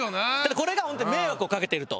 これがホントに迷惑をかけてると。